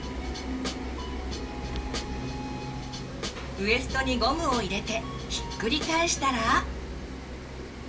ウエストにゴムを入れてひっくり返したら。